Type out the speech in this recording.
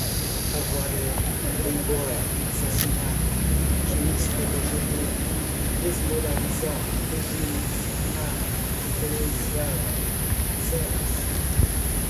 Avaré, Playboy, assassinato, juiz-corregedor, desmoralizar, regime disciplinar diferenciado, celas